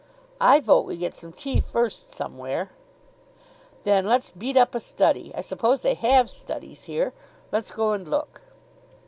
"I vote we get some tea first somewhere." "Then let's beat up a study. I suppose they have studies here. Let's go and look."